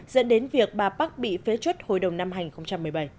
dẫn đến việc bà park bị phế chuất hội đồng nam hành một mươi bảy